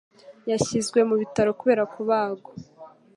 Yashyizwe mu bitaro kubera kubagwa.